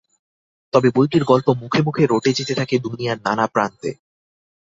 তবে বইটির গল্প মুখে মুখে রটে যেতে থাকে দুনিয়ার নানা প্রান্তে।